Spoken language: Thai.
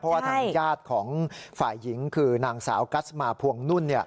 เพราะว่าทางญาติของฝ่ายหญิงคือนางสาวกัสมาพวงนุ่น